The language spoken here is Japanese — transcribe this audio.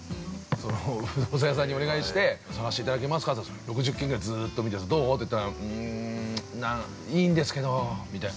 不動産屋さんにお願いして探していただけますかって６０件ぐらいずっと見てどう？って言ったらうん、いいんですけどみたいな。